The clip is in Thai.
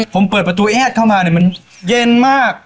ผมเปิดประตูแอดเข้ามามันเย็นมาก